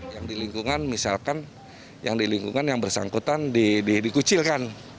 yang di lingkungan misalkan yang di lingkungan yang bersangkutan dikucilkan